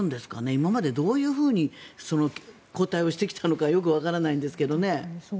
今までどういうふうに交代をしてきたのかよくわからないんですけどね。